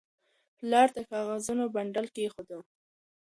پلار د کاغذونو بنډل کېښود.